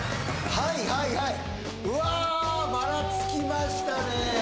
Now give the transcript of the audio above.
はいはいはいうわっばらつきましたね